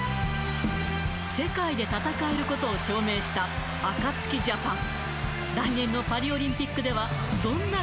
世界で戦えることを証明したアカツキジャパン。